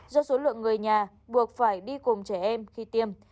do số lượng người nhà buộc phải đi cùng trẻ em khi tiêm